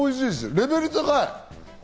レベル高い。